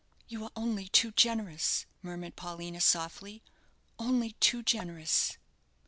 "You are only too generous," murmured Paulina, softly; "only too generous."